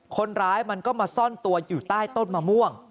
คนร้ายมันก็มาซ่อนตัวอยู่ใต้ต้นมะม่วง